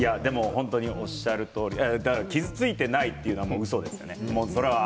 本当におっしゃるとおり傷ついていないというのはうそですよね。